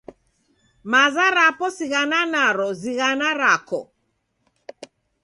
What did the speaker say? Maza rapo sighana naro zighana rako.